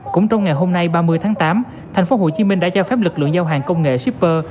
cũng trong ngày hôm nay ba mươi tháng tám thành phố hồ chí minh đã cho phép lực lượng giao hàng công nghệ shipper